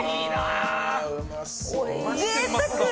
ぜいたく。